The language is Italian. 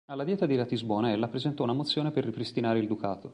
Alla Dieta di Ratisbona ella presentò una mozione per ripristinare il Ducato.